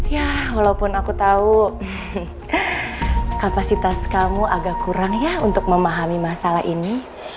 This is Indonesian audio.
ya walaupun aku tahu kapasitas kamu agak kurang ya untuk memahami masalah ini